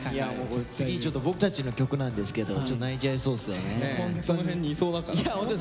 次ちょっと僕たちの曲なんですけどちょっと泣いちゃいそうですよね。